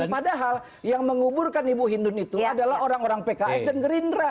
dan padahal yang menguburkan ibu hindun itu adalah orang orang pks dan gerindra